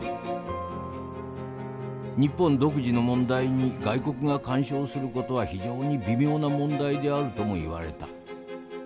日本独自の問題に外国が干渉する事は非常に微妙な問題であるとも言われた。